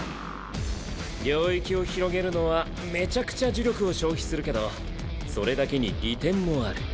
領域を広げるのはめちゃくちゃ呪力を消費するけどそれだけに利点もある。